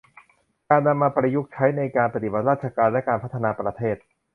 การนำมาประยุกต์ใช้ในการปฏิบัติราชการและการพัฒนาประเทศ